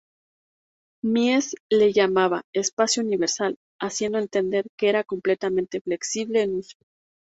Mies le llamaba "espacio universal", haciendo entender que era completamente flexible en uso.